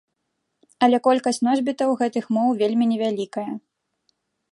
Але колькасць носьбітаў гэтых моў вельмі невялікая.